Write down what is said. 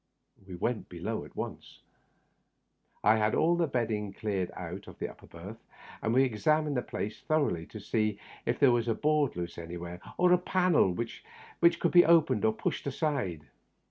We went below at once. I had all the bed ding cleared out of the upper berth, and we examined the place thoroughly to see if there was a board loose anywhere, or a panel which could be opened or pushed aside.